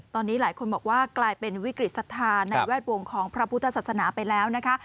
ตอนนี้หลายคนบอกว่ากลายเป็นวิกฤตศรัทธาในแวดวงของพระพุทธศาสนาไปแล้วนะคะ